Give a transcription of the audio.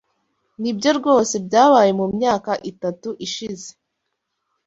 Nibyo rwose byabaye mumyaka itatu ishize.